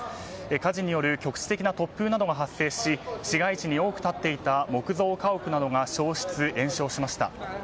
火事による局地的な突風などが発生し市街地に多く立っていた木造家屋などが焼失・延焼しました。